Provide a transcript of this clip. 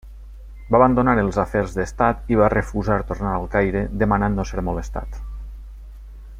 Va abandonar els afers d'estat i va refusar tornar al Caire demanant no ser molestat.